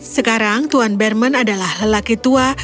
sekarang tuan berman adalah lelaki tua